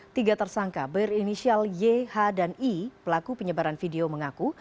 tiga tersangka berinisial yh dan i pelaku penyebaran video mengaku